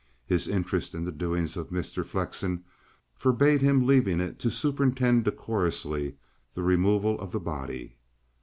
His interest in the doings of Mr. Flexen forbade him leaving it to superintend decorously the removal of the body.